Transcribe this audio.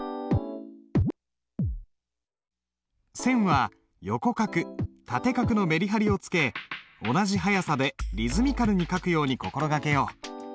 線は横画縦画のメリハリをつけ同じ速さでリズミカルに書くように心掛けよう。